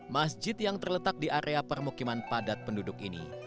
masjid yang terletak di area permukiman padat penduduk ini